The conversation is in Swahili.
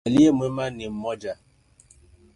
Aliye mwema ni mmoja.